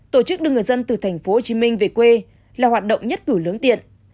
tổ chức đưa người dân từ tp hcm về quê là hoạt động nhất cử lớn tiện